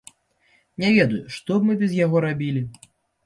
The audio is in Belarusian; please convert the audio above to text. Не ведаю, што б мы без яго рабілі!